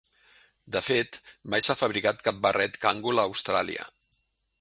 De fet, mai s'ha fabricat cap barret Kangol a Austràlia.